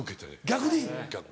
逆に。